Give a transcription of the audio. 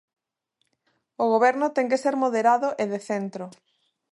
O goberno ten que ser moderado e de centro.